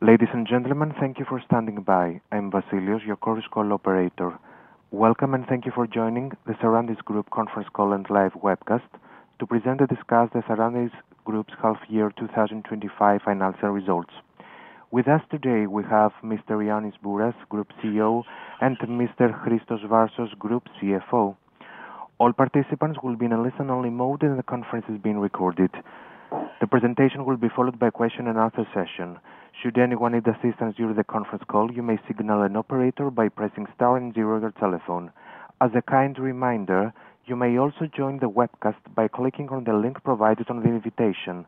Ladies and gentlemen, thank you for standing by. I'm Vasilios, your courier call operator. Welcome and thank you for joining the Sarantis Group conference call and live webcast to present and discuss the Sarantis Group's half-year 2025 financial results. With us today, we have Mr. Ioannis Bouras, Group CEO, and Mr. Christos Varsos, Group CFO. All participants will be in a listen-only mode, and the conference is being recorded. The presentation will be followed by a question-and-answer session. Should anyone need assistance during the conference call, you may signal an operator by pressing star and zero on your telephone. As a kind reminder, you may also join the webcast by clicking on the link provided on the invitation.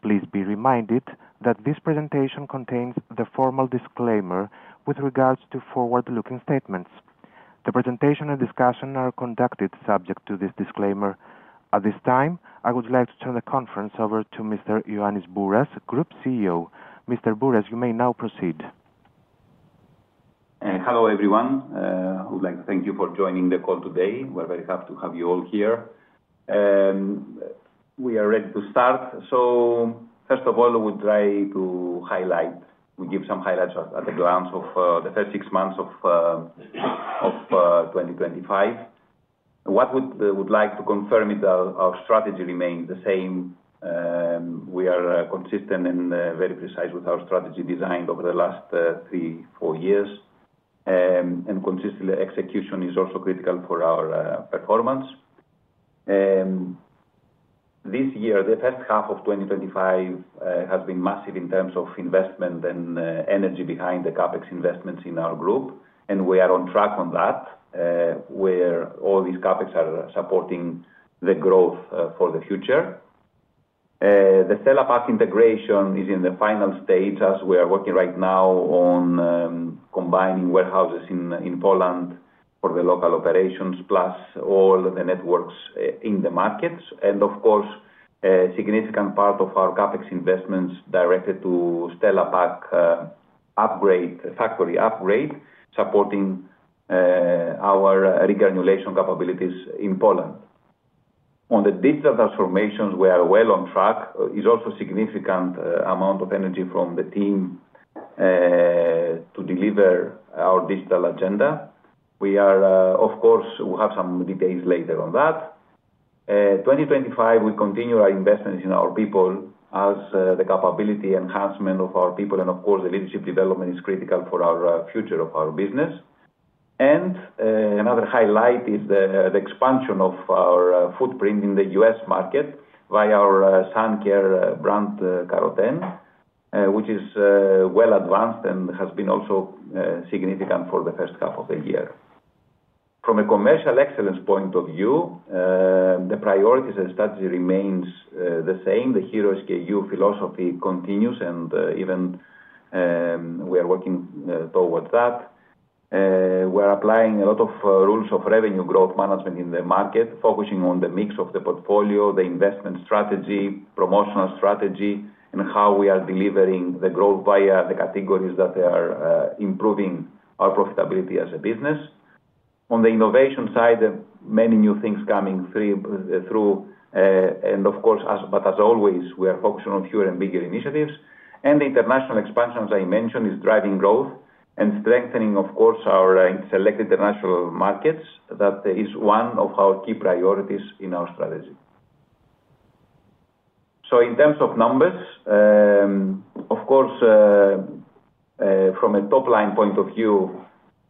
Please be reminded that this presentation contains a formal disclaimer with regards to forward-looking statements. The presentation and discussion are conducted subject to this disclaimer. At this time, I would like to turn the conference over to Mr. Ioannis Bouras, Group CEO. Mr. Bouras, you may now proceed. Hello, everyone. I would like to thank you for joining the call today. We're very happy to have you all here. We are ready to start. First of all, we would like to highlight, we give some highlights at a glance of the first six months of 2025. What we would like to confirm is that our strategy remains the same. We are consistent and very precise with our strategy designed over the last three, four years. Consistent execution is also critical for our performance. This year, the first half of 2025 has been massive in terms of investment and energy behind the CapEx investments in our group, and we are on track on that, where all these CapEx are supporting the growth for the future. The Stella Pack integration is in the final stage as we are working right now on combining warehouses in Poland for the local operations, plus all the networks in the markets. Of course, a significant part of our CapEx investments is directed to Stella Pack factory upgrade, supporting our regeneration capabilities in Poland. On the digital transformations, we are well on track. It's also a significant amount of energy from the team to deliver our digital agenda. We are, of course, we'll have some details later on that. In 2025, we continue our investments in our people as the capability enhancement of our people, and of course, the leadership development is critical for the future of our business. Another highlight is the expansion of our footprint in the U.S. market via our sun care brand Carroten, which is well advanced and has been also significant for the first half of the year. From a commercial excellence point of view, the priorities and strategy remain the same. The Hero SKU philosophy continues, and even we are working towards that. We're applying a lot of rules of revenue growth management in the market, focusing on the mix of the portfolio, the investment strategy, promotional strategy, and how we are delivering the growth via the categories that are improving our profitability as a business. On the innovation side, many new things are coming through. Of course, as always, we are focusing on fewer and bigger initiatives. The international expansion, as I mentioned, is driving growth and strengthening, of course, our selected international markets. That is one of our key priorities in our strategy. In terms of numbers, of course, from a top-line point of view,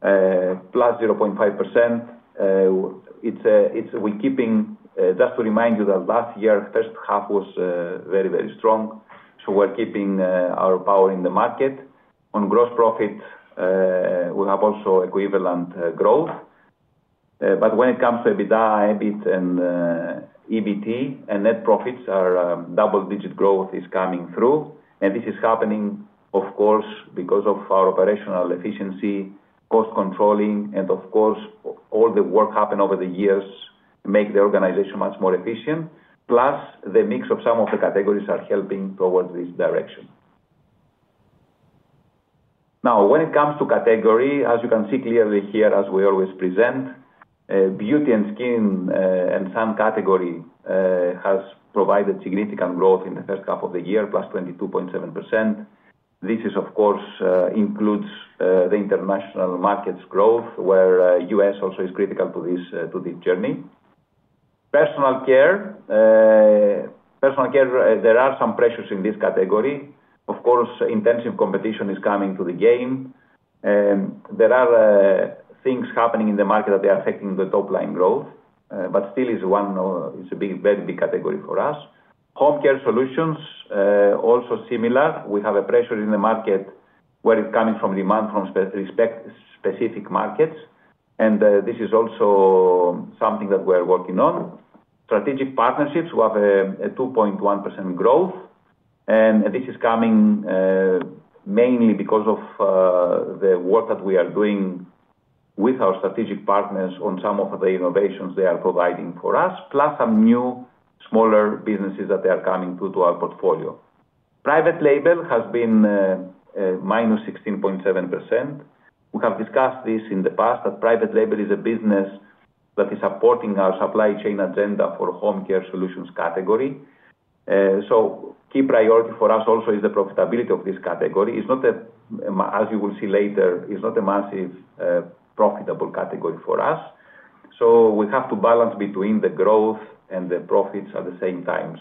plus 0.5%. We're keeping, just to remind you, that last year's first half was very, very strong. We're keeping our power in the market. On gross profit, we have also equivalent growth. When it comes to EBITDA and EBIT and net profits, our double-digit growth is coming through. This is happening, of course, because of our operational efficiency, cost controlling, and of course, all the work happened over the years makes the organization much more efficient. Plus, the mix of some of the categories is helping towards this direction. Now, when it comes to category, as you can see clearly here, as we always present, Beauty and Skin Care and sun category has provided significant growth in the first half of the year, plus 22.7%. This, of course, includes the international markets growth, where the U.S. also is critical to this journey. Personal Care, Personal Care, there are some pressures in this category. Intensive competition is coming to the game. There are things happening in the market that are affecting the top-line growth, but still, it's a very big category for us. Home Care Solutions, also similar. We have a pressure in the market where it's coming from demand from specific markets. This is also something that we are working on. Strategic Partnerships, we have a 2.1% growth. This is coming mainly because of the work that we are doing with our strategic partners on some of the innovations they are providing for us, plus some new smaller businesses that are coming to our portfolio. Private Label has been minus 16.7%. We have discussed this in the past, that Private Label is a business that is supporting our supply chain agenda for the Home Care Solutions category. A key priority for us also is the profitability of this category. It's not a, as you will see later, it's not a massive profitable category for us. We have to balance between the growth and the profits at the same time.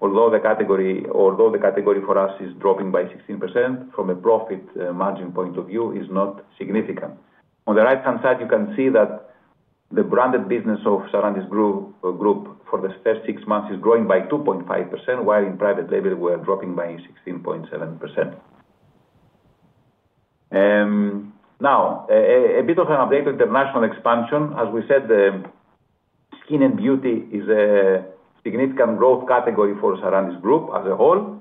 Although the category for us is dropping by 16%, from a profit margin point of view, it's not significant. On the right-hand side, you can see that the branded business of Sarantis Group for the first six months is growing by 2.5%, while in Private Label, we are dropping by 16.7%. A bit of an update on international expansion. As we said, the Skin and Beauty is a significant growth category for Sarantis Group as a whole.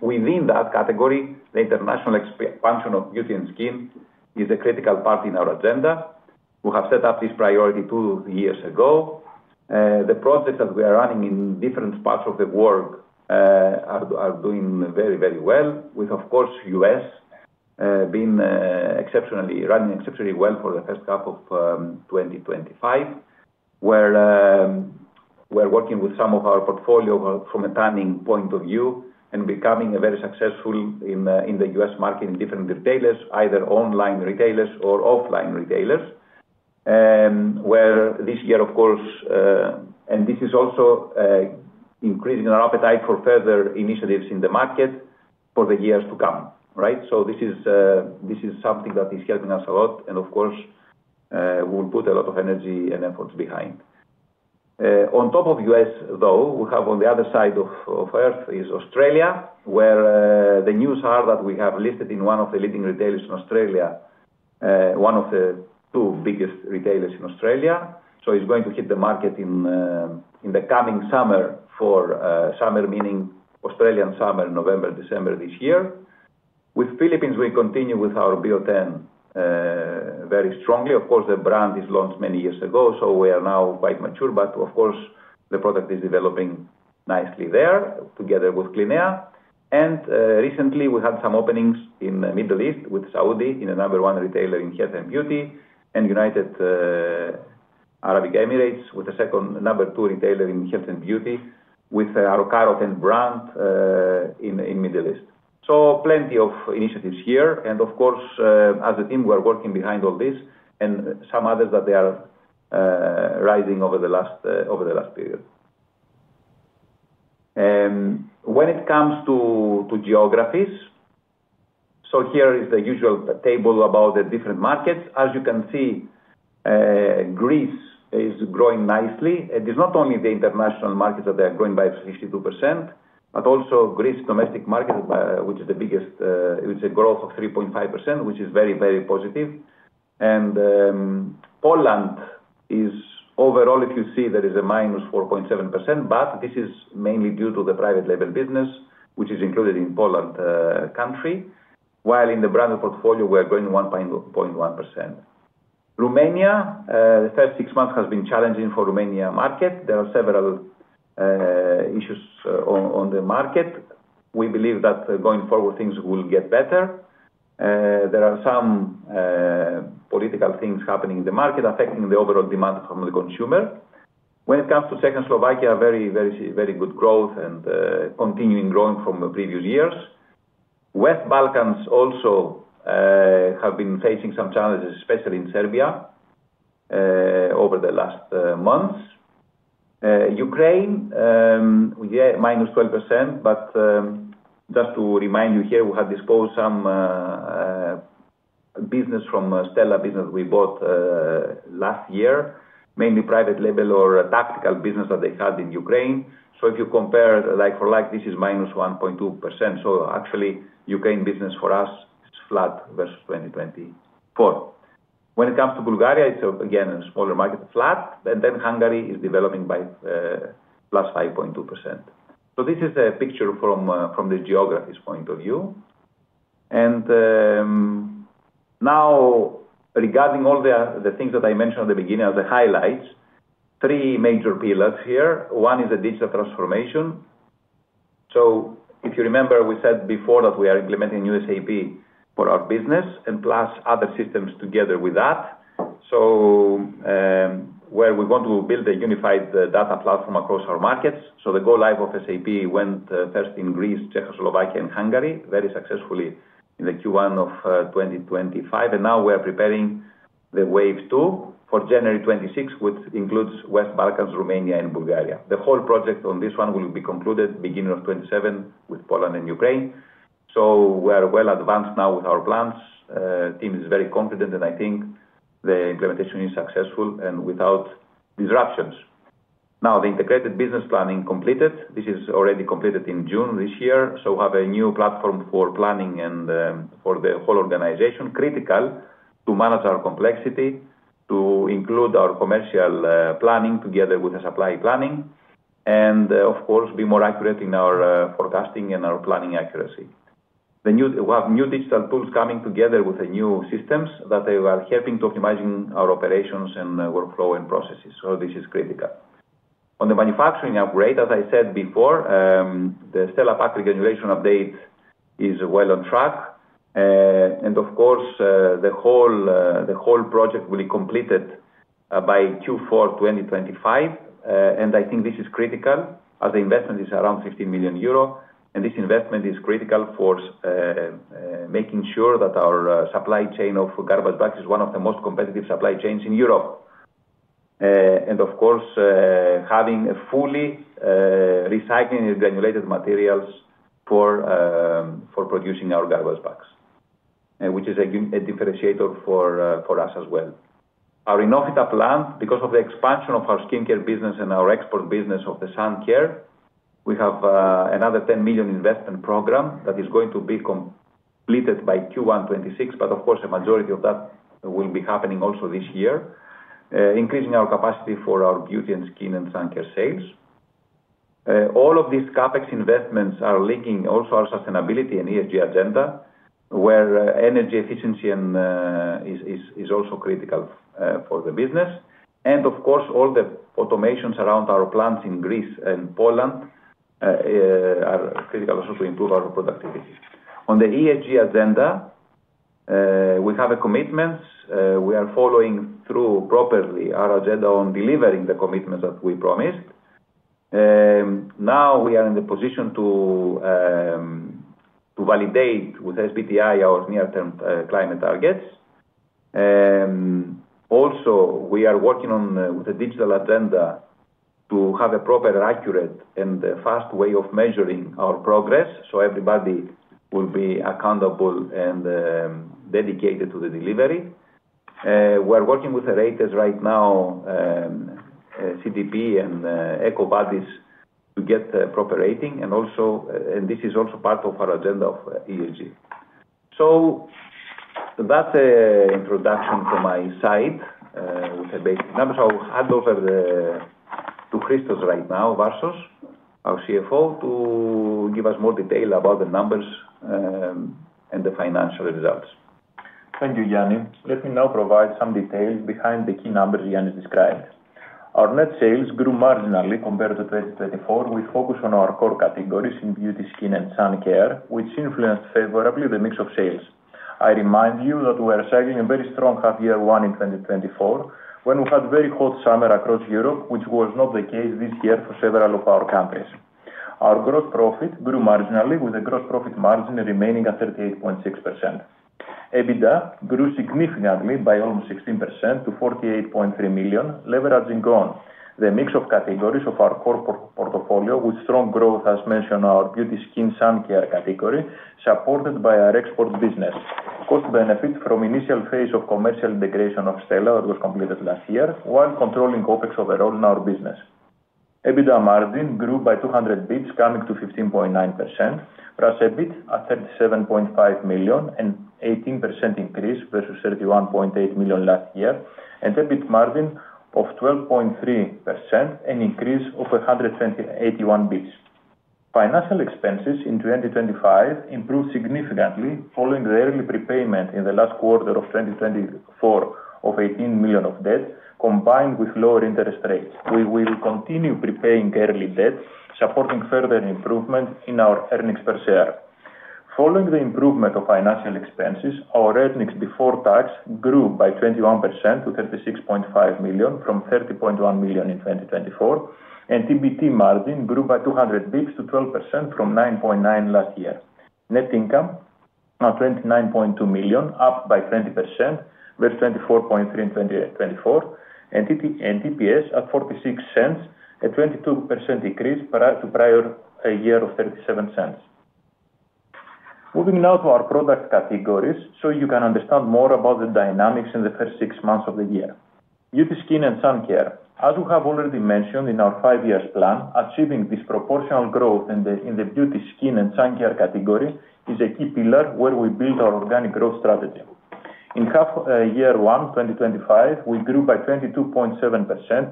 Within that category, the international expansion of Beauty and Skin is a critical part in our agenda. We have set up this priority two years ago. The projects that we are running in different parts of the world are doing very, very well, with, of course, the U.S. running exceptionally well for the first half of 2025. We're working with some of our portfolio from a timing point of view and becoming very successful in the U.S. market in different retailers, either online retailers or offline retailers. This year, of course, and this is also increasing our appetite for further initiatives in the market for the years to come. This is something that is helping us a lot. Of course, we'll put a lot of energy and efforts behind. On top of the U.S., though, we have on the other side of Earth is Australia, where the news is that we have listed in one of the leading retailers in Australia, one of the two biggest retailers in Australia. It's going to hit the market in the coming summer, for summer meaning Australian summer, November, December this year. With Philippines, we continue with our Bio10 very strongly. Of course, the brand is launched many years ago, so we are now quite mature, but, of course, the product is developing nicely there together with Clinea. Recently, we had some openings in the Middle East with Saudi, the number one retailer in health and beauty, and United Arab Emirates, the number two retailer in health and beauty, with our Carroten brand in the Middle East. Plenty of initiatives here. As a team, we are working behind all this and some others that they are riding over the last period. When it comes to geographies, here is the usual table about the different markets. As you can see, Greece is growing nicely. It is not only the international markets that they are growing by 52%, but also Greece's domestic market, which is the biggest, with a growth of 3.5%, which is very, very positive. Poland is overall, if you see, there is a minus 4.7%, but this is mainly due to the Private Label business, which is included in the Poland country, while in the branded portfolio, we are growing 1.1%. Romania, the first six months have been challenging for the Romanian market. There are several issues on the market. We believe that going forward, things will get better. There are some political things happening in the market affecting the overall demand from the consumer. When it comes to Czech and Slovakia, very, very, very good growth and continuing growing from previous years. West Balkans also have been facing some challenges, especially in Serbia over the last months. Ukraine, with a -12%, but just to remind you here, we have disposed of some business from Stella business we bought last year, mainly Private Label or tactical business that they had in Ukraine. If you compare like for like, this is -1.2%. Actually, Ukraine business for us is flat versus 2024. When it comes to Bulgaria, it's again a smaller market, flat. Hungary is developing by +5.2%. This is a picture from the geographies' point of view. Now, regarding all the things that I mentioned at the beginning of the highlights, three major pillars here. One is the digital transformation. If you remember, we said before that we are implementing new SAP for our business and plus other systems together with that, where we're going to build a unified data platform across our markets. The go live of SAP went first in Greece, Czechoslovakia, and Hungary, very successfully in Q1 2025. Now we are preparing the wave two for January 2026, which includes West Balkans, Romania, and Bulgaria. The whole project on this one will be concluded at the beginning of 2027 with Poland and Ukraine. We are well advanced now with our plans. The team is very confident, and I think the implementation is successful and without disruptions. The integrated business planning is completed. This is already completed in June this year. We have a new platform for planning and for the whole organization, critical to manage our complexity, to include our commercial planning together with the supply planning, and of course, be more accurate in our forecasting and our planning accuracy. The new digital tools coming together with the new systems are helping to optimize our operations and workflow and processes. This is critical. On the manufacturing upgrade, as I said before, the Stella Pack Regeneration Update is well on track. The whole project will be completed by Q4 2025. I think this is critical as the investment is around €15 million. This investment is critical for making sure that our supply chain of garbage bags is one of the most competitive supply chains in Europe. Having fully recycled and granulated materials for producing our garbage bags is a differentiator for us as well. Our innovative plan, because of the expansion of our skincare business and our export business of the Sun Care, we have another $10 million investment program that is going to be completed by Q1 2026. Of course, a majority of that will be happening also this year, increasing our capacity for our Beauty and Skin Care and Sun Care sales. All of these CapEx investments are linking also our sustainability and ESG agenda, where energy efficiency is also critical for the business. All the automations around our plants in Greece and Poland are critical also to improve our productivity. On the ESG agenda, we have a commitment. We are following through properly our agenda on delivering the commitments that we promised. Now we are in the position to validate with SBTI our near-term climate targets. We are working on the digital agenda to have a proper, accurate, and fast way of measuring our progress so everybody will be accountable and dedicated to the delivery. We're working with the raters right now, CDP and EcoVadis, to get the proper rating. This is also part of our agenda of ESG. That's an introduction from my side with the basic numbers. I'll hand over to Christos Varsos, our CFO, to give us more detail about the numbers and the financial results. Thank you, Ioannis. Let me now provide some details behind the key numbers Ioannis described. Our net sales grew marginally compared to 2024, which focused on our core categories in Beauty and Skin Care and sun care, which influenced favorably the mix of sales. I remind you that we are cycling a very strong half-year one in 2024 when we've had a very hot summer across Europe, which was not the case this year for several of our countries. Our gross profit grew marginally, with the gross profit margin remaining at 38.6%. EBITDA grew significantly by almost 16% to €48.3 million, leveraging on the mix of categories of our core portfolio with strong growth, as mentioned, our Beauty and Skin Care and sun care category, supported by our export business. Cost benefit from the initial phase of commercial integration of Stella Pack, which was completed last year, while controlling OPEX overall in our business. EBITDA margin grew by 200 bps, coming to 15.9%, plus EBIT at €37.5 million, an 18% increase versus €31.8 million last year, and EBIT margin of 12.3%, an increase of 181 bps. Financial expenses in 2025 improved significantly following the early prepayment in the last quarter of 2024 of €18 million of debts, combined with lower interest rates. We will continue prepaying early debts, supporting further improvement in our earnings per share. Following the improvement of financial expenses, our earnings before tax grew by 21% to €36.5 million from €30.1 million in 2024, and EBT margin grew by 200 bps to 12% from 9.9% last year. Net income at €29.2 million, up by 20% versus €24.3 million in 2024, and EPS at €0.46, a 22% increase to prior year of €0.37. Moving now to our product categories so you can understand more about the dynamics in the first six months of the year. Beauty and Skin Care and sun care. As we have already mentioned in our five-year plan, achieving disproportional growth in the Beauty and Skin Care and sun care category is a key pillar where we build our organic growth strategy. In half-year one, 2025, we grew by 22.7%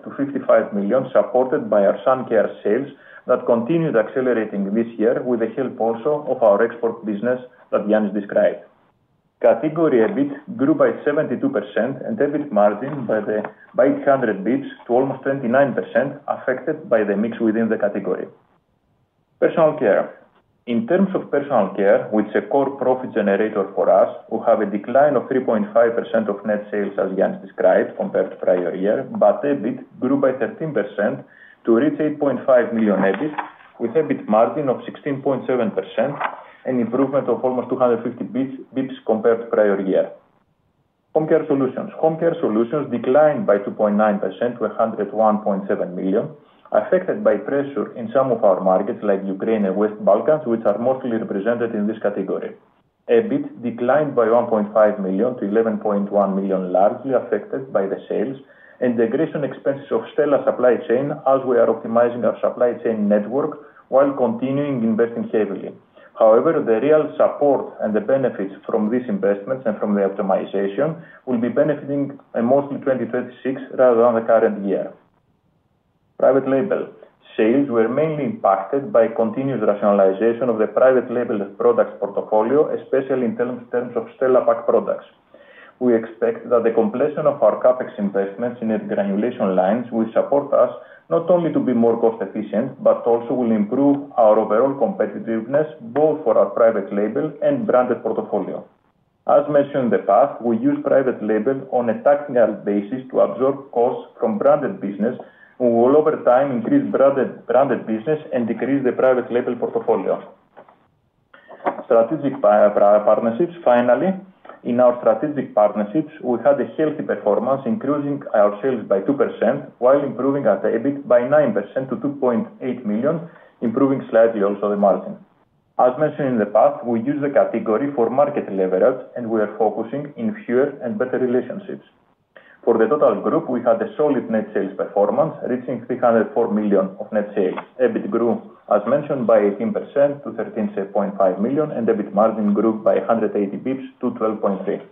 to €55 million, supported by our sun care sales that continued accelerating this year with the help also of our export business that Ioannis described. Category EBIT grew by 72% and EBIT margin by 800 bps to almost 29%, affected by the mix within the category. Personal Care. In terms of Personal Care, which is a core profit generator for us, we have a decline of 3.5% of net sales as Ioannis described compared to prior year, but EBIT grew by 13% to reach €8.5 million EBIT with EBIT margin of 16.7% and improvement of almost 250 bps compared to prior year. Home Care Solutions declined by 2.9% to €101.7 million, affected by pressure in some of our markets like Ukraine and West Balkans, which are mostly represented in this category. EBIT declined by €1.5 million to €11.1 million, largely affected by the sales. The integration expenses of Stella supply chain, as we are optimizing our supply chain network while continuing investing heavily, also impacted results. However, the real support and the benefits from these investments and from the optimization will be benefiting mostly 2026 rather than the current year. Private Label sales were mainly impacted by continuous rationalization of the Private Label products portfolio, especially in terms of Stella Pack products. We expect that the completion of our CapEx investments in the granulation lines will support us not only to be more cost-efficient, but also will improve our overall competitiveness both for our Private Label and branded portfolio. As mentioned in the past, we use Private Label on a taxing basis to absorb costs from branded business, and we will over time increase branded business and decrease the Private Label portfolio. Strategic Partnerships. Finally, in our Strategic Partnerships, we had a healthy performance, increasing our sales by 2% while improving at EBIT by 9% to €2.8 million, improving slightly also the margin. As mentioned in the past, we use the category for market leverage, and we are focusing on fewer and better relationships. For the Total Group, we had a solid net sales performance reaching €304 million of net sales. EBIT grew, as mentioned, by 18% to €13.5 million, and EBIT margin grew by 180 bps to 12.3%.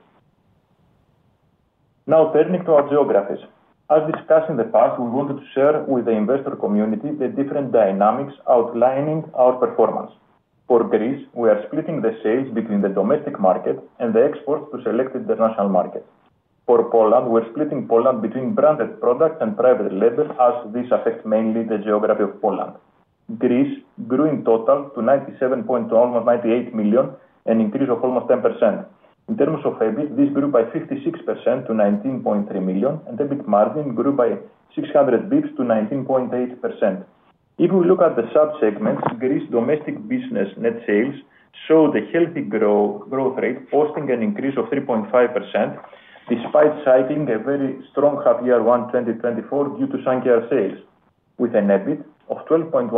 Now, turning to our geographies. As discussed in the past, we wanted to share with the investor community the different dynamics outlining our performance. For Greece, we are splitting the sales between the domestic market and the export to select international markets. For Poland, we're splitting Poland between branded products and Private Label as this affects mainly the geography of Poland. Greece grew in total to €97.2 million of €98 million, an increase of almost 10%. In terms of EBIT, this grew by 56% to €19.3 million, and EBIT margin grew by 600 bps to 19.8%. If we look at the subsegments, Greece's domestic business net sales showed a healthy growth rate, forcing an increase of 3.5% despite citing a very strong half-year one 2024 due to sun care sales, with an EBIT of €12.1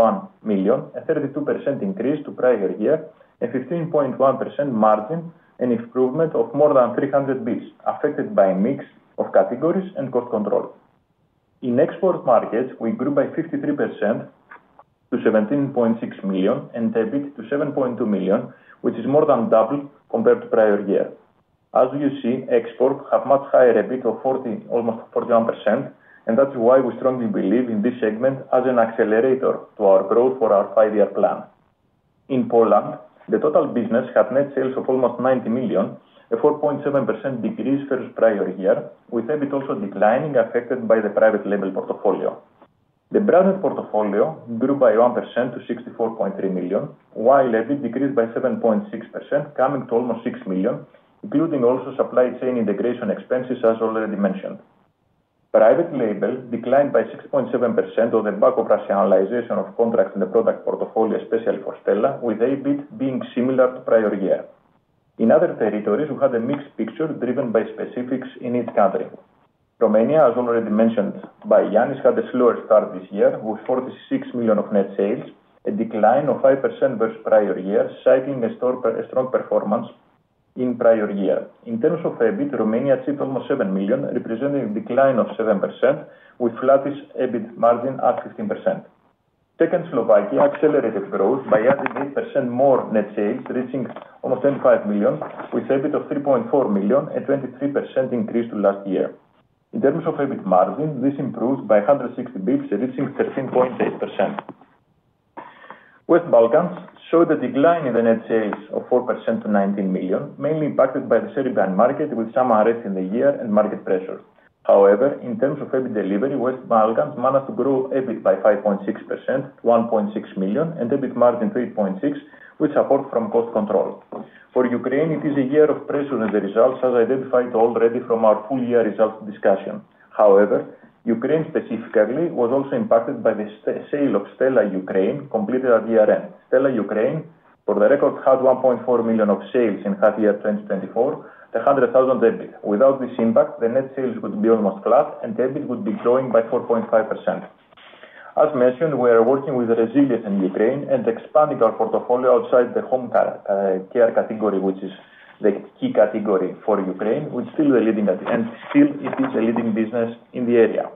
million, a 32% increase to prior year, a 15.1% margin, and improvement of more than 300 bps affected by a mix of categories and cost control. In export markets, we grew by 53% to €17.6 million and EBIT to €7.2 million, which is more than double compared to prior year. As you see, exports have a much higher EBIT of 40, almost 41%, and that's why we strongly believe in this segment as an accelerator to our growth for our five-year plan. In Poland, the Total Business had net sales of almost €90 million, a 4.7% decrease versus prior year, with EBIT also declining, affected by the Private Label portfolio. The branded portfolio grew by 1% to €64.3 million, while EBIT decreased by 7.6%, coming to almost €6 million, including also supply chain integration expenses, as already mentioned. Private Label declined by 6.7% on the back of rationalization of contracts in the product portfolio, especially for Stella, with EBIT being similar to prior year. In other territories, we had a mixed picture driven by specifics in each country. Romania, as already mentioned by Ioannis, had a slower start this year with €46 million of net sales, a decline of 5% versus prior year, citing a strong performance in prior year. In terms of EBIT, Romania achieved almost €7 million, representing a decline of 7%, with flattest EBIT margin at 15%. Czech and Slovakia accelerated growth by adding 8% more net sales, reaching almost €25 million, with EBIT of €3.4 million, a 23% increase to last year. In terms of EBIT margin, this improved by 160 bps, reaching 13.8%. West Balkans showed a decline in the net sales of 4% to €19 million, mainly impacted by the Serbian market with some arrests in the year and market pressure. However, in terms of EBIT delivery, West Balkans managed to grow EBIT by 5.6%, €1.6 million, and EBIT margin to 8.6% with support from cost control. For Ukraine, it is a year of pressure in the results, as identified already from our full-year results discussion. However, Ukraine specifically was also impacted by the sale of Stella Ukraine, completed at year end. Stella Ukraine, for the record, had €1.4 million of sales in half-year 2024, the €100,000 EBIT. Without this impact, the net sales would be almost flat, and the EBIT would be growing by 4.5%. As mentioned, we are working with the resilience in Ukraine and expanding our portfolio outside the Home Care category, which is the key category for Ukraine, which is still the leading and still is the leading business in the area.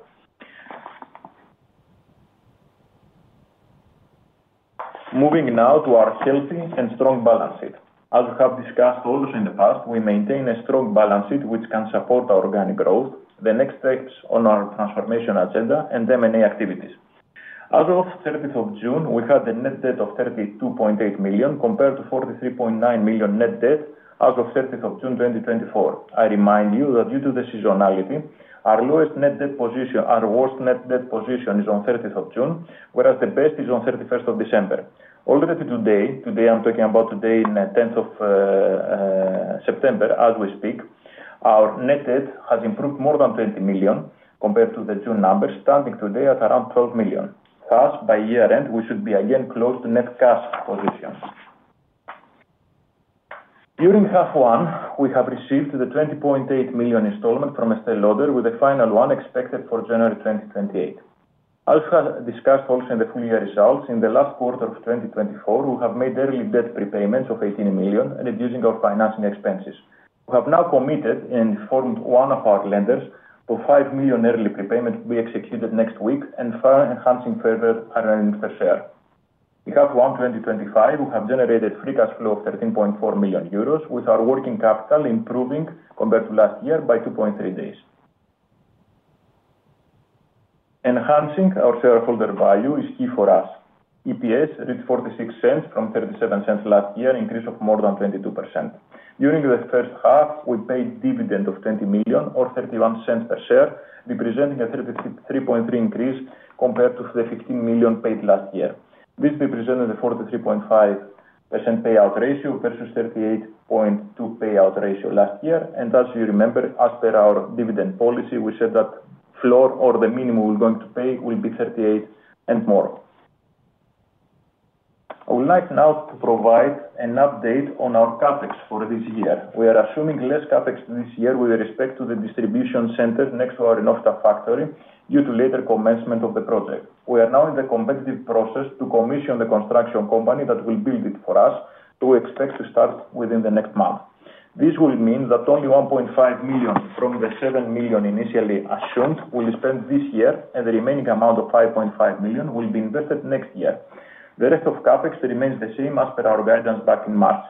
Moving now to our healthy and strong balance sheet. As we have discussed also in the past, we maintain a strong balance sheet which can support our organic growth, the next steps on our transformation agenda, and M&A activities. As of June 30, we had a net debt of €32.8 million compared to €43.9 million net debt as of June 30, 2024. I remind you that due to the seasonality, our lowest net debt position, our worst net debt position is on June 30, whereas the best is on December 31. Already today, today I'm talking about today in September 10, as we speak, our net debt has improved more than €20 million compared to the June numbers, standing today at around €12 million. Thus, by year end, we should be again close to net cash positions. During half one, we have received the €20.8 million installment from a Stella order, with the final one expected for January 2028. As we have discussed also in the full-year results, in the last quarter of 2024, we have made early debt prepayments of €18 million, reducing our financing expenses. We have now committed and formed one of our lenders for €5 million early prepayments to be executed next week and enhancing further our earnings per share. We have one 2025 we have generated free cash flow of €13.4 million, with our working capital improving compared to last year by 2.3 days. Enhancing our shareholder value is key for us. EPS reached €0.46 from €0.37 last year, increase of more than 22%. During the first half, we paid a dividend of €20 million or €0.31 per share, representing a 33.3% increase compared to the €15 million paid last year. This represented a 43.5% payout ratio versus a 38.2% payout ratio last year. As you remember, as per our dividend policy, we said that the floor or the minimum we're going to pay will be 38% and more. I would like now to provide an update on our CapEx for this year. We are assuming less CapEx this year with respect to the distribution center next to our Innovista factory due to later commencement of the project. We are now in the competitive process to commission the construction company that will build it for us, who expects to start within the next month. This will mean that only €1.5 million from the €7 million initially assumed will be spent this year, and the remaining amount of €5.5 million will be invested next year. The rest of CapEx remains the same as per our guidance back in March.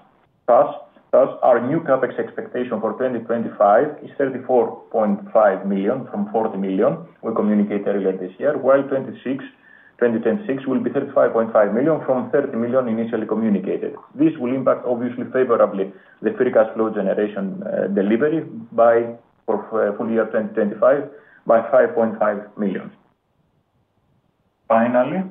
Thus, our new CapEx expectation for 2025 is €34.5 million from €40 million we communicated earlier this year, while 2026 will be €35.5 million from €30 million initially communicated. This will impact, obviously, favorably the free cash flow generation delivery for full year 2025 by €5.5 million. Finally,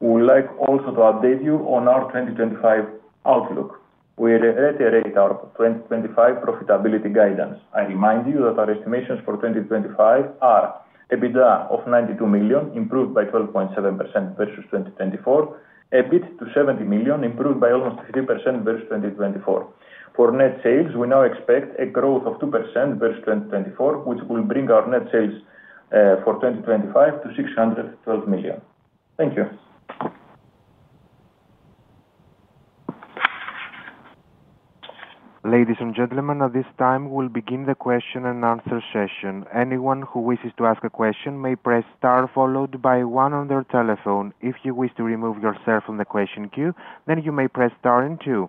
we would like also to update you on our 2025 outlook. We already read our 2025 profitability guidance. I remind you that our estimations for 2025 are EBITDA of €92 million, improved by 12.7% versus 2024, EBIT to €70 million, improved by almost 50% versus 2024. For net sales, we now expect a growth of 2% versus 2024, which will bring our net sales for 2025 to €612 million. Thank you. Ladies and gentlemen, at this time, we'll begin the question and answer session. Anyone who wishes to ask a question may press star, followed by one on their telephone. If you wish to remove yourself from the question queue, then you may press star and two.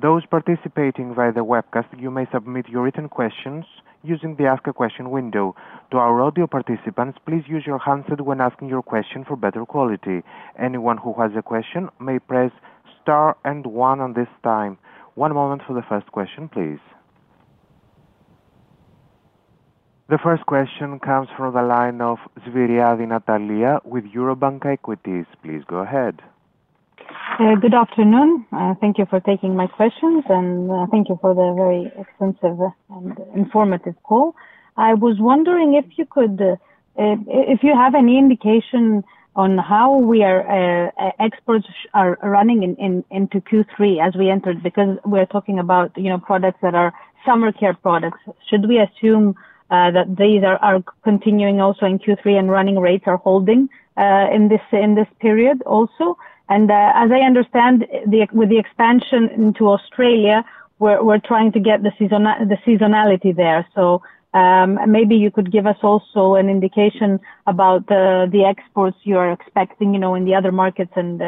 Those participating via the webcast, you may submit your written questions using the ask a question window. To our audio participants, please use your handset when asking your question for better quality. Anyone who has a question may press star and one at this time. One moment for the first question, please. The first question comes from the line of Zviriadi Natalia with Eurobank Equities. Please go ahead. Good afternoon. Thank you for taking my questions, and thank you for the very extensive and informative call. I was wondering if you could, if you have any indication on how our exports are running into Q3 as we enter it, because we are talking about products that are summer care products. Should we assume that these are continuing also in Q3 and running rates are holding in this period also? As I understand, with the expansion into Australia, we're trying to get the seasonality there. Maybe you could give us also an indication about the exports you are expecting in the other markets, and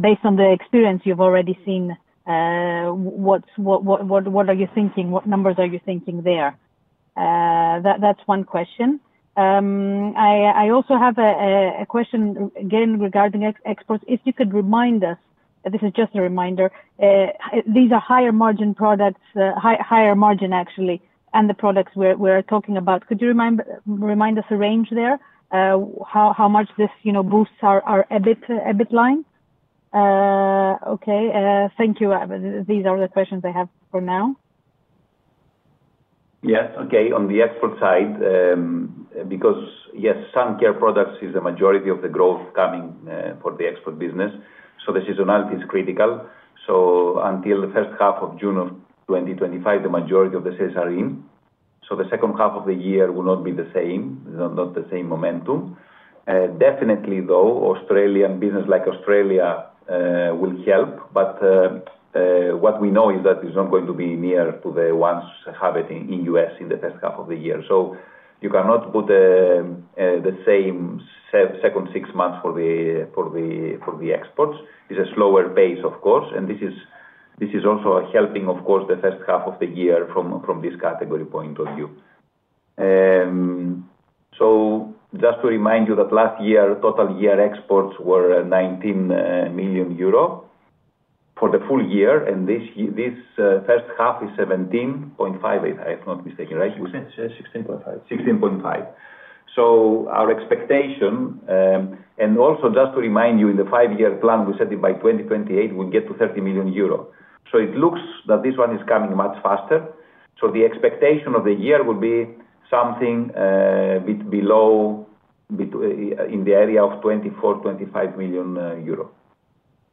based on the experience you've already seen, what are you thinking? What numbers are you thinking there? That's one question. I also have a question again regarding exports. If you could remind us, this is just a reminder, these are higher margin products, higher margin actually, and the products we are talking about. Could you remind us a range there? How much this boosts our EBIT line? Thank you. These are the questions I have for now. Yeah. Okay. On the export side, because yes, sun care products is the majority of the growth coming for the export business. The seasonality is critical. Until the first half of June 2025, the majority of the sales are in. The second half of the year will not be the same, not the same momentum. Definitely, though, Australian businesses like Australia will help, but what we know is that it's not going to be near to the ones that have it in the U.S. in the first half of the year. You cannot put the same second six months for the exports. It's a slower pace, of course. This is also helping, of course, the first half of the year from this category point of view. Just to remind you that last year, total year exports were €19 million for the full year, and this first half is €17.58 million, if I'm not mistaken, right? Yes, 16.5. 16.5. Our expectation, and also just to remind you, in the five-year plan, we said by 2028, we'll get to €30 million. It looks that this one is coming much faster. The expectation of the year will be something a bit below, in the area of €24 million, €25 million,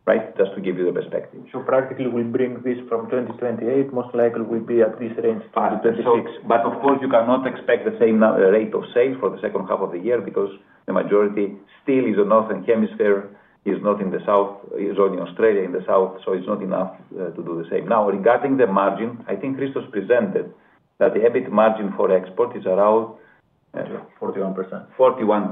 right? Just to give you the perspective. Practically, we'll bring this from 2028, most likely we'll be at this range to 2026. Of course, you cannot expect the same rate of sales for the second half of the year because the majority still is in the northern hemisphere, is not in the south, is only Australia in the south, so it's not enough to do the same. Now, regarding the margin, I think Christos presented that the EBIT margin for export is around. 41%. 41%.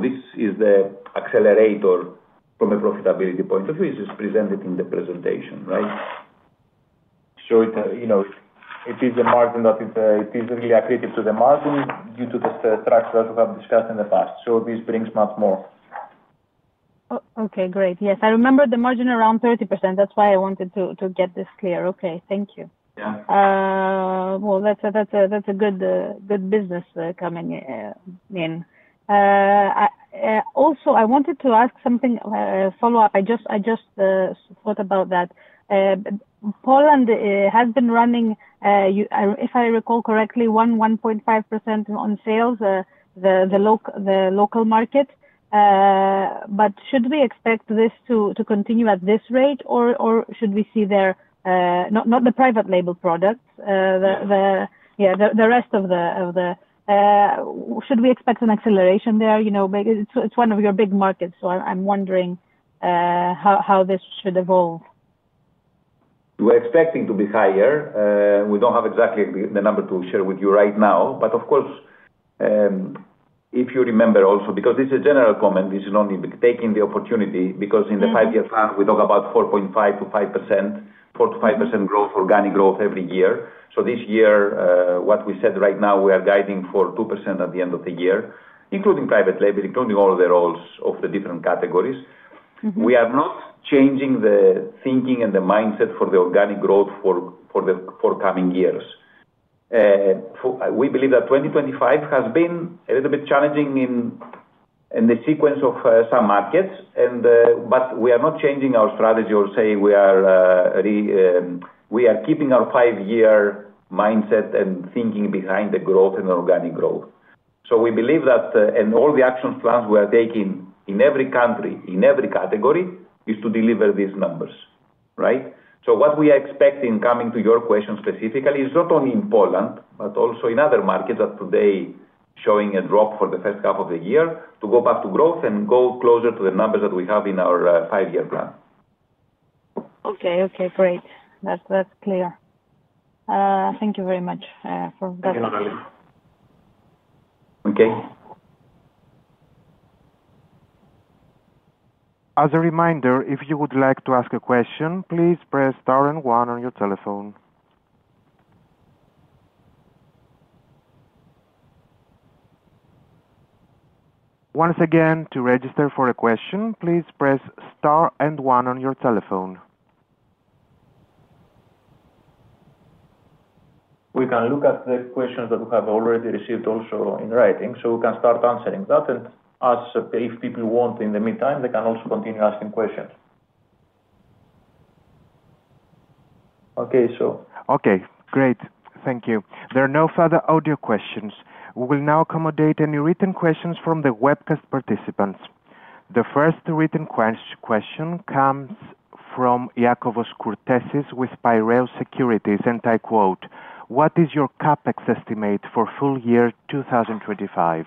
This is the accelerator from a profitability point of view. It's just presented in the presentation, right? It is a margin that is really accretive to the margin due to the structure that we have discussed in the past. This brings much more. Okay, great. Yes, I remember the margin around 30%. That's why I wanted to get this clear. Okay, thank you. Yeah. That's a good business coming in. I wanted to ask something, a follow-up. I just thought about that. Poland has been running, if I recall correctly, 1.5% on sales, the local market. Should we expect this to continue at this rate, or should we see there, not the Private Label products, the rest of the... Should we expect an acceleration there? You know, it's one of your big markets. I'm wondering how this should evolve. We're expecting to be higher. We don't have exactly the number to share with you right now. Of course, if you remember also, because this is a general comment, this is only taking the opportunity because in the five-year plan, we talk about 4.5% to 5% growth, organic growth every year. This year, what we said right now, we are guiding for 2% at the end of the year, including Private Label, including all the roles of the different categories. We are not changing the thinking and the mindset for the organic growth for the forecoming years. We believe that 2025 has been a little bit challenging in the sequence of some markets, but we are not changing our strategy or say we are keeping our five-year mindset and thinking behind the growth and organic growth. We believe that all the action plans we are taking in every country, in every category, is to deliver these numbers, right? What we are expecting coming to your question specifically is not only in Poland, but also in other markets that today are showing a drop for the first half of the year to go back to growth and go closer to the numbers that we have in our five-year plan. Okay, okay, great. That's clear. Thank you very much for that. Thank you, Natalia. Okay. As a reminder, if you would like to ask a question, please press star and one on your telephone. Once again, to register for a question, please press star and one on your telephone. We can look at the questions that we have already received also in writing. We can start answering that. If people want in the meantime, they can also continue asking questions. Okay, great. Thank you. There are no further audio questions. We will now accommodate any written questions from the webcast participants. The first written question comes from Iakovos Kurtesis with Piraeus Securities, and I quote, "What is your CapEx estimate for full year 2025?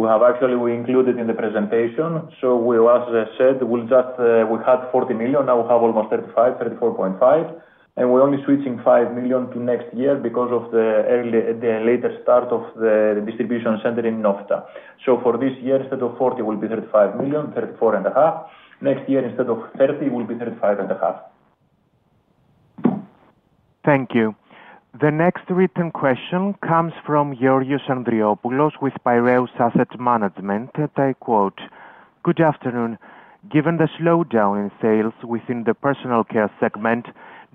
We have actually included it in the presentation. As I said, we had €40 million. Now we have almost €35 million, €34.5 million. We're only switching €5 million to next year because of the latest start of the distribution center in Innovista. For this year, instead of €40 million, it will be €35 million, €34.5 million. Next year, instead of €30 million, it will be €35.5 million. Thank you. The next written question comes from Yurios Andriopoulos with Piraeus Asset Management, and I quote, "Good afternoon. Given the slowdown in sales within the Personal Care segment,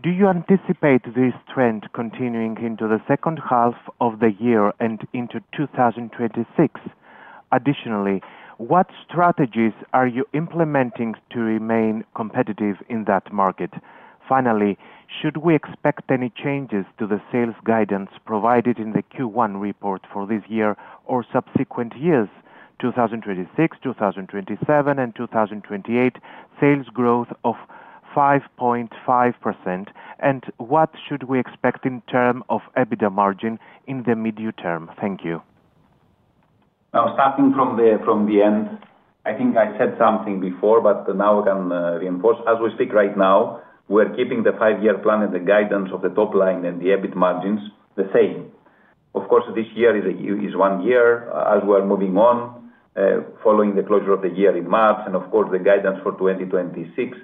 do you anticipate this trend continuing into the second half of the year and into 2026? Additionally, what strategies are you implementing to remain competitive in that market? Finally, should we expect any changes to the sales guidance provided in the Q1 report for this year or subsequent years, 2026, 2027, and 2028, sales growth of 5.5%? What should we expect in terms of EBITDA margin in the medium term? Thank you. I was starting from the end. I think I said something before, but now I can reinforce. As we speak right now, we're keeping the five-year plan and the guidance of the top line and the EBIT margins the same. Of course, this year is one year. As we're moving on, following the closure of the year in March, and of course, the guidance for 2026,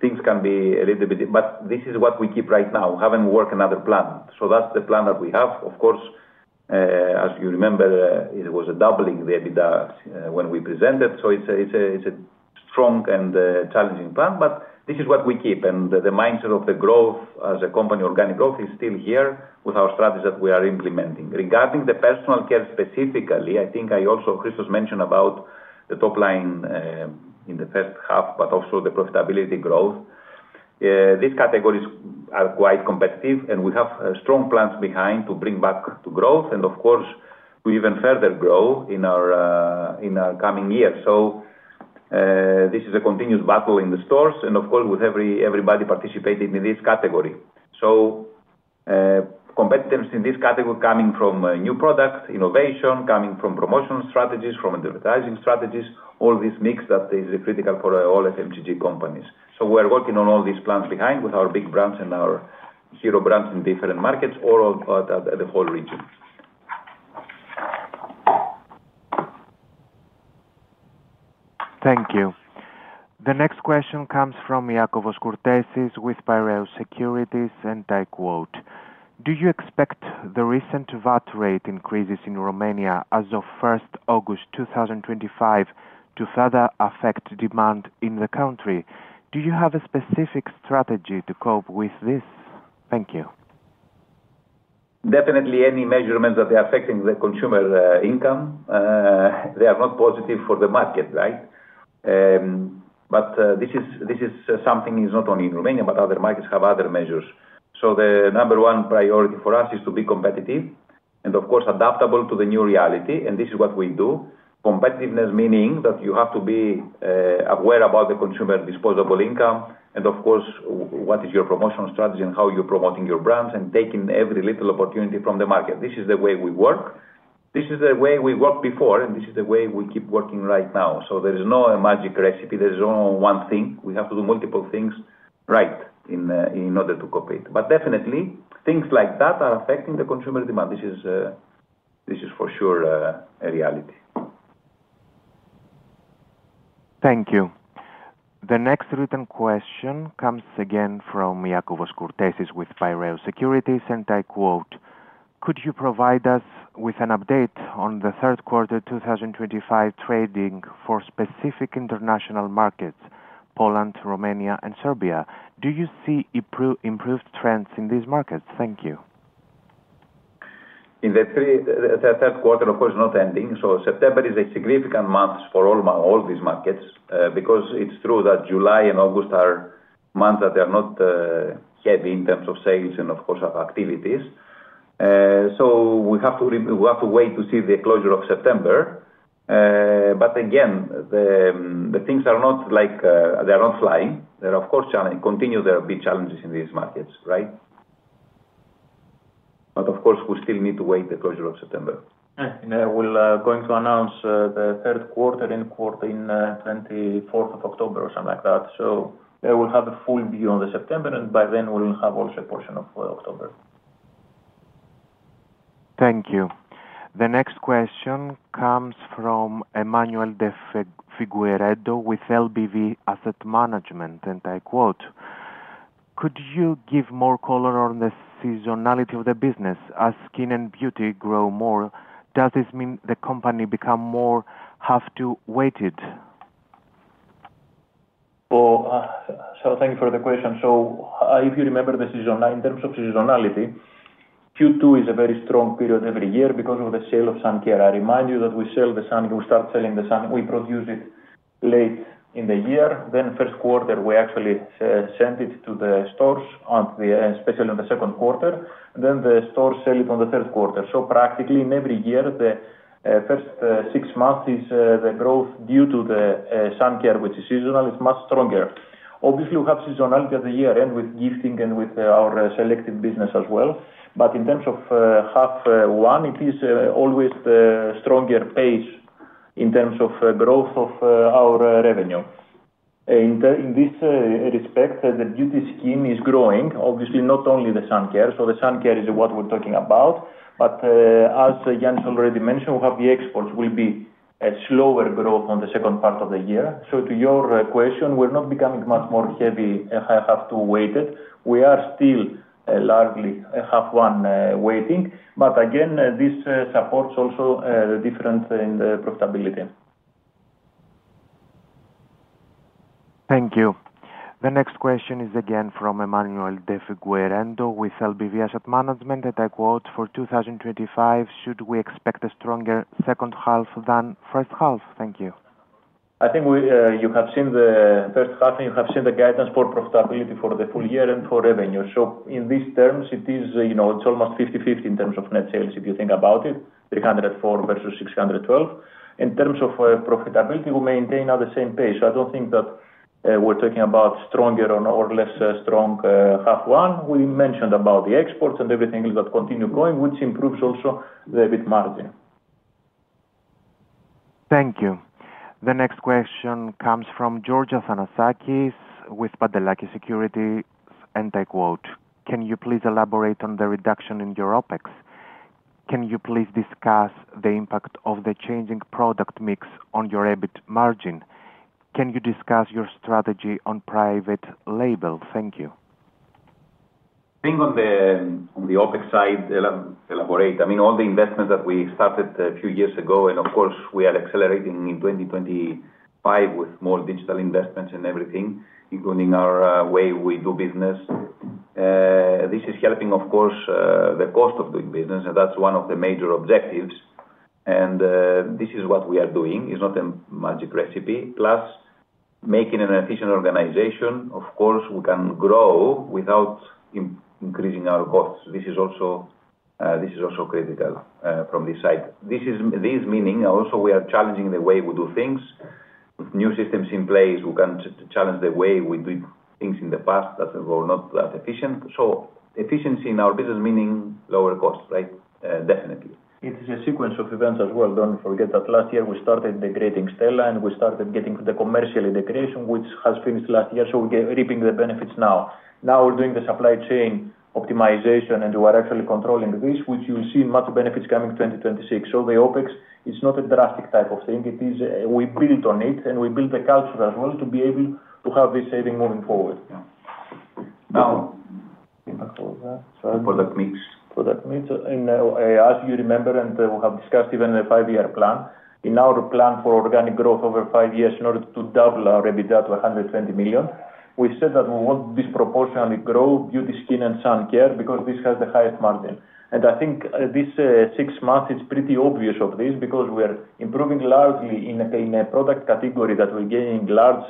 things can be a little bit, but this is what we keep right now. We haven't worked another plan. That's the plan that we have. Of course, as you remember, it was a doubling the EBITDA when we presented. It's a strong and challenging plan, but this is what we keep. The mindset of the growth as a company, organic growth is still here with our strategies that we are implementing. Regarding the Personal Care specifically, I think I also, Christos, mentioned about the top line in the first half, but also the profitability growth. These categories are quite competitive, and we have strong plans behind to bring back to growth. We even further grow in our coming year. This is a continued battle in the stores, with everybody participating in this category. Competitors in this category coming from new products, innovation, coming from promotion strategies, from advertising strategies, all this mix that is critical for all FMCG companies. We're working on all these plans behind with our big brands and our hero brands in different markets or the whole region. Thank you. The next question comes from Iakovos Kurtesis with Piraeus Securities, and I quote, "Do you expect the recent VAT rate increases in Romania as of August 1, 2025 to further affect demand in the country? Do you have a specific strategy to cope with this? Thank you. Definitely, any measurements that are affecting the consumer income, they are not positive for the market, right? This is something that is not only in Romania, but other markets have other measures. The number one priority for us is to be competitive and, of course, adaptable to the new reality, and this is what we do. Competitiveness meaning that you have to be aware about the consumer disposable income, and of course, what is your promotion strategy and how you're promoting your brands and taking every little opportunity from the market. This is the way we work. This is the way we worked before, and this is the way we keep working right now. There is no magic recipe. There is only one thing. We have to do multiple things right in order to cope. Definitely, things like that are affecting the consumer demand. This is for sure a reality. Thank you. The next written question comes again from Iakovos Kurtesis with Piraeus Securities, and I quote, "Could you provide us with an update on the third quarter 2025 trading for specific international markets, Poland, Romania, and Serbia? Do you see improved trends in these markets? Thank you. In the third quarter, of course, not ending. September is a significant month for all these markets because it's true that July and August are months that are not heavy in terms of sales and, of course, of activities. We have to wait to see the closure of September. Again, things are not like they're not flying. There are, of course, continued to be challenges in these markets, right? We still need to wait the closure of September. We are going to announce the third quarter on October 24 or something like that. We will have a full view on September, and by then, we will have also a portion of October. Thank you. The next question comes from Emanuel de Figueredo with LBV Asset Management, and I quote, "Could you give more color on the seasonality of the business? As skin and beauty grow more, does this mean the company becomes more have to wait it? Thank you for the question. If you remember the seasonality, in terms of seasonality, Q2 is a very strong period every year because of the sale of sun care. I remind you that we sell the sun care. We start selling the sun care. We produce it late in the year. In the first quarter, we actually send it to the stores, especially in the second quarter. The stores sell it in the third quarter. Practically, in every year, the first six months is the growth due to the sun care, which is seasonal. It's much stronger. Obviously, we have seasonality at the year end with gifting and with our selective business as well. In terms of half one, it is always the stronger phase in terms of growth of our revenue. In this respect, the beauty and skin care is growing. Obviously, not only the sun care. The sun care is what we're talking about. As Ioannis already mentioned, we have the exports will be a slower growth in the second part of the year. To your question, we're not becoming much more heavy and have to weight it. We are still largely half one weighted. This supports also the difference in the profitability. Thank you. The next question is again from Emanuel de Figueredo with LBV Asset Management, and I quote, "For 2025, should we expect a stronger second half than first half?" Thank you. I think you have seen the first half, and you have seen the guidance for profitability for the full year and for revenue. In these terms, it is, you know, it's almost 50-50 in terms of net sales, if you think about it, €304 million versus €612 million. In terms of profitability, we maintain at the same pace. I don't think that we're talking about stronger or less strong half one. We mentioned about the exports and everything that continues going, which improves also the EBIT margin. Thank you. The next question comes from Giorgio Tanasakis with Padelaki Securities, and I quote, "Can you please elaborate on the reduction in your OpEx? Can you please discuss the impact of the changing product mix on your EBIT margin? Can you discuss your strategy on Private Label? Thank you. I think on the OpEx side, I'll elaborate. All the investments that we started a few years ago, and of course, we are accelerating in 2025 with more digital investments and everything, including our way we do business. This is helping, of course, the cost of doing business, and that's one of the major objectives. This is what we are doing. It's not a magic recipe. Plus, making an efficient organization, of course, we can grow without increasing our costs. This is also critical from this side. This means also we are challenging the way we do things. With new systems in place, we can challenge the way we did things in the past that were not that efficient. Efficiency in our business meaning lower costs, right? Definitely. It is a sequence of events as well. Don't forget that last year we started degrading Stella Pack, and we started getting to the commercial degradation, which has finished last year. We're reaping the benefits now. Now we're doing the supply chain optimization, and we're actually controlling this, which you'll see much benefits coming in 2026. The OpEx is not a drastic type of thing. We built on it, and we built the culture as well to be able to have this saving moving forward. Yeah. Now, product mix. Product mix. As you remember, and we have discussed even in a five-year plan, in our plan for organic growth over five years in order to double our EBITDA to $120 million, we said that we want disproportionately to grow Beauty and Skin Care and sun care because this has the highest margin. I think these six months, it's pretty obvious of this because we're improving largely in a product category that we're gaining large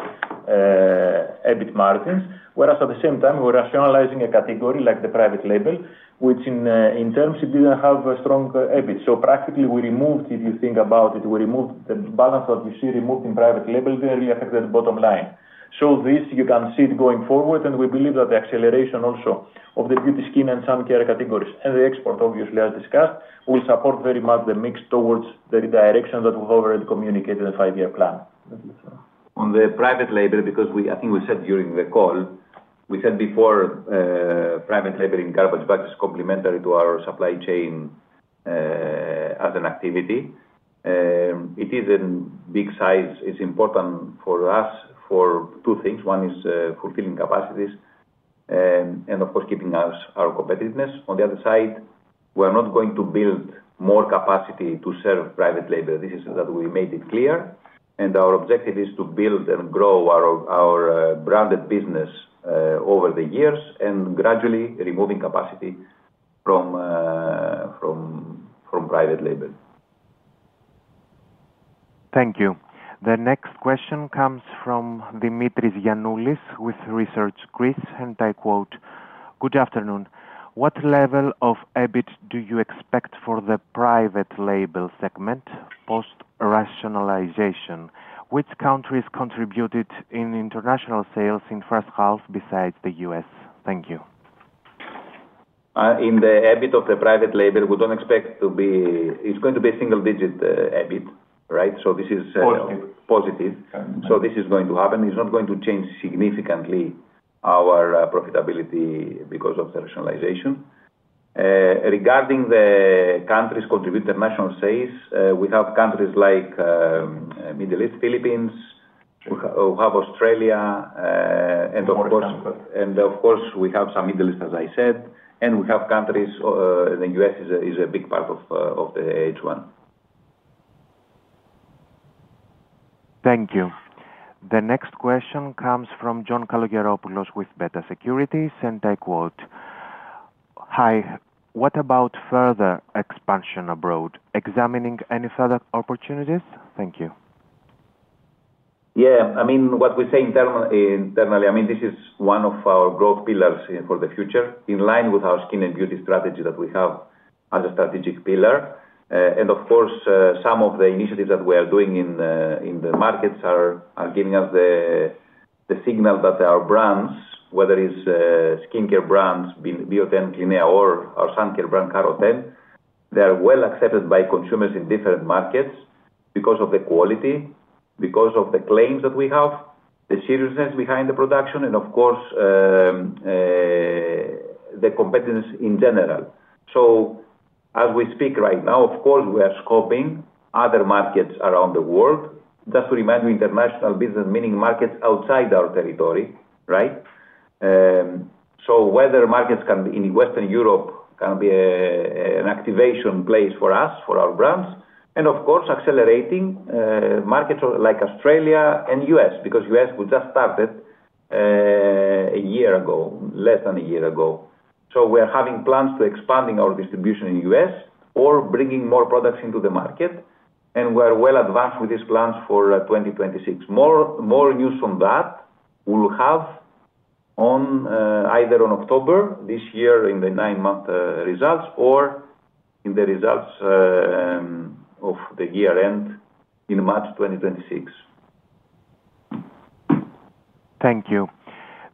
EBIT margins, whereas at the same time, we're rationalizing a category like the Private Label, which in terms it didn't have a strong EBIT. Practically, we removed it. You think about it. We removed the balance that we see removed in Private Label didn't really affect the bottom line. This, you can see it going forward, and we believe that the acceleration also of the Beauty and Skin Care and sun care categories and the export, obviously, as discussed, will support very much the mix towards the direction that we've already communicated in the five-year plan. On the Private Label, because I think we said during the call, we said before Private Label in garbage bags is complementary to our supply chain as an activity. It is a big size. It's important for us for two things. One is fulfilling capacities, and of course, keeping our competitiveness. On the other side, we're not going to build more capacity to serve Private Label. This is that we made it clear. Our objective is to build and grow our branded business over the years and gradually removing capacity from Private Label. Thank you. The next question comes from Dimitris Ioannulis with Research Greece, and I quote, "Good afternoon. What level of EBIT do you expect for the Private Label segment post-rationalization? Which countries contributed in international sales in first half besides the U.S.? Thank you. In the EBIT of the Private Label, we don't expect to be, it's going to be a single-digit EBIT, right? This is positive. This is going to happen. It's not going to change significantly our profitability because of the rationalization. Regarding the countries contributing to national sales, we have countries like Middle East, Philippines, we have Australia, and of course, we have some Middle East, as I said, and we have countries, and the U.S. is a big part of the H1. Thank you. The next question comes from John Kalogeropoulos with Beta Securities, and I quote, "Hi, what about further expansion abroad? Examining any further opportunities? Thank you. Yeah. I mean, what we say internally, this is one of our growth pillars for the future, in line with our skin and beauty strategy that we have as a strategic pillar. Of course, some of the initiatives that we are doing in the markets are giving us the signal that our brands, whether it's skincare brands Bio10, Clinea, or our sun care brand Carroten, they are well accepted by consumers in different markets because of the quality, because of the claims that we have, the seriousness behind the production, and of course, the competitors in general. As we speak right now, we are scoping other markets around the world. Just to remind you, international business meaning markets outside our territory, right? Markets can be in Western Europe and can be an activation place for us, for our brands. Of course, accelerating markets like Australia and the U.S. because the U.S., we just started a year ago, less than a year ago. We're having plans to expand our distribution in the U.S. or bringing more products into the market. We're well advanced with these plans for 2026. More news on that we'll have either in October this year in the nine-month results or in the results of the year end in March 2026. Thank you.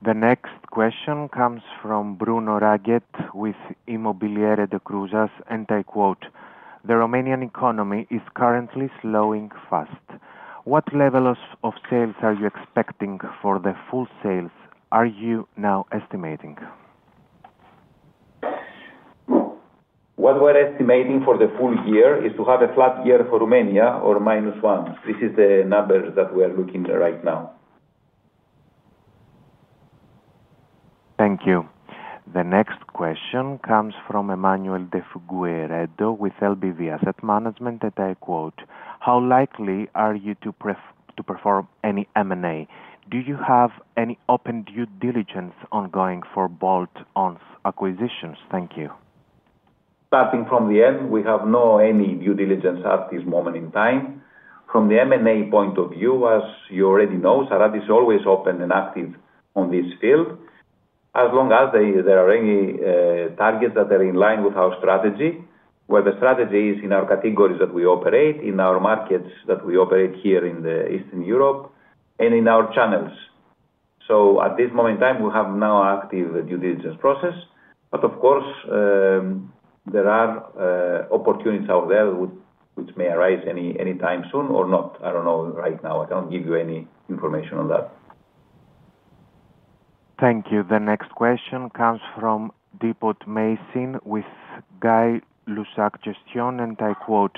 The next question comes from Bruno Raget with Immobiliare de Cruzias, and I quote, "The Romanian economy is currently slowing fast. What level of sales are you expecting for the full sales? Are you now estimating? What we're estimating for the full year is to have a flat year for Romania or minus 1%. This is the number that we are looking at right now. Thank you. The next question comes from Emanuel de Figueredo with LBV Asset Management and I quote, "How likely are you to perform any M&A? Do you have any open due diligence ongoing for bolt-on acquisitions? Thank you. Starting from the end, we have no due diligence at this moment in time. From the M&A point of view, as you already know, Sarantis is always open and active on this field as long as there are any targets that are in line with our strategy, where the strategy is in our categories that we operate, in our markets that we operate here in Eastern Europe, and in our channels. At this moment in time, we have no active due diligence process. Of course, there are opportunities out there which may arise anytime soon or not. I don't know right now. I can't give you any information on that. Thank you. The next question comes from Depot Mason with Guy Lusac Gestion and I quote,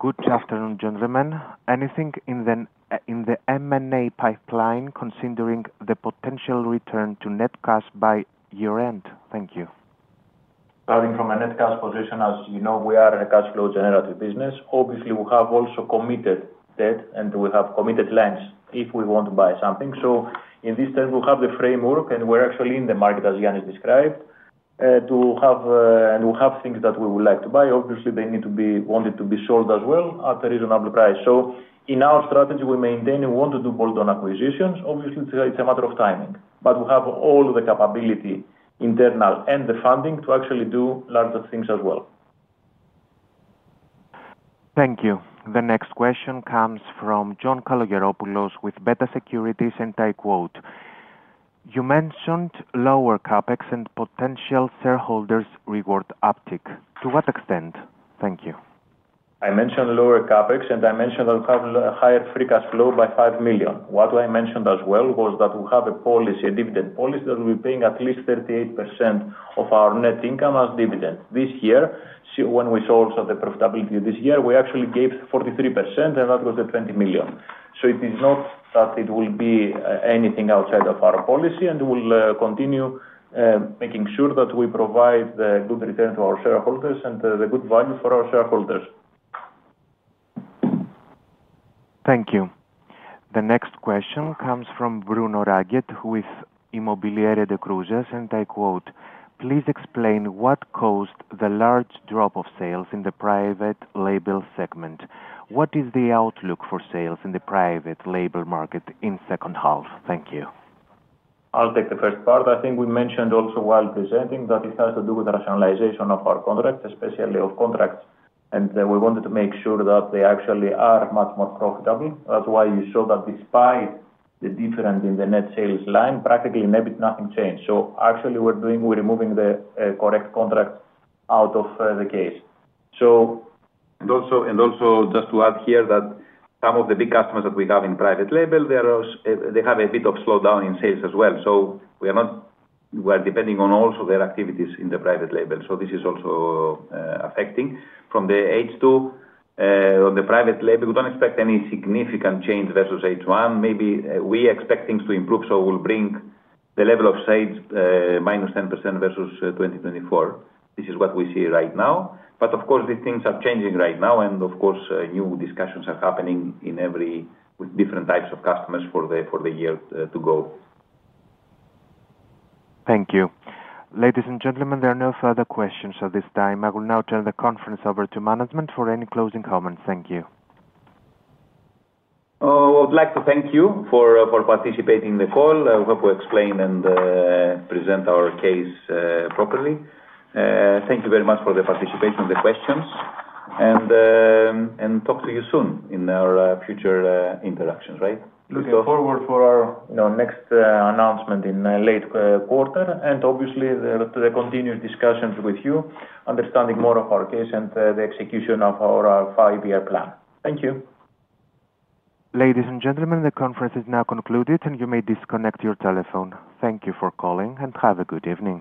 "Good afternoon, gentlemen. Anything in the M&A pipeline considering the potential return to net cash by year end? Thank you. Starting from a net cash position, as you know, we are in a cash flow generative business. Obviously, we have also committed debt and we have committed lines if we want to buy something. In this sense, we have the framework and we're actually in the market, as Ioannis described, and we have things that we would like to buy. Obviously, they need to be wanted to be sold as well at a reasonable price. In our strategy, we maintain and we want to do bolt-on acquisitions. Obviously, it's a matter of timing, but we have all the capability, internal and the funding, to actually do larger things as well. Thank you. The next question comes from John Kalogeropoulos with Beta Securities, and I quote, "You mentioned lower CapEx and potential shareholders' reward uptake. To what extent? Thank you. I mentioned lower CapEx and I mentioned we'll have a higher free cash flow by $5 million. What I mentioned as well was that we have a policy, a dividend policy that we'll be paying at least 38% of our net income as dividend. This year, when we sold the profitability this year, we actually gave 43% and that was the $20 million. It is not that it will be anything outside of our policy and we'll continue making sure that we provide the good return to our shareholders and the good value for our shareholders. Thank you. The next question comes from Bruno Raget with Immobiliare de Cruzias and I quote, "Please explain what caused the large drop of sales in the Private Label segment. What is the outlook for sales in the Private Label market in the second half? Thank you. I'll take the first part. I think we mentioned also while presenting that it has to do with the rationalization of our contracts, especially of contracts. We wanted to make sure that they actually are much more profitable. That's why you saw that despite the difference in the net sales line, practically in EBIT, nothing changed. We're removing the correct contracts out of the case. Also, just to add here that some of the big customers that we have in Private Label have a bit of slowdown in sales as well. We are depending on their activities in the Private Label, so this is also affecting. From H2, on the Private Label, we don't expect any significant change versus H1. Maybe we expect things to improve. We'll bring the level of sales minus 10% versus 2024. This is what we see right now. Of course, these things are changing right now and new discussions are happening in every different type of customer for the year to go. Thank you. Ladies and gentlemen, there are no further questions at this time. I will now turn the conference over to management for any closing comments. Thank you. I would like to thank you for participating in the call. I hope we explained and presented our case properly. Thank you very much for the participation and the questions. Talk to you soon in our future interactions, right? Looking forward to our next announcement in the late quarter and obviously the continued discussions with you, understanding more of our case and the execution of our five-year plan. Thank you. Ladies and gentlemen, the conference is now concluded and you may disconnect your telephone. Thank you for calling and have a good evening.